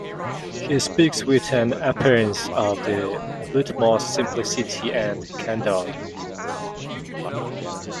He speaks with an appearance of the utmost simplicity and candour.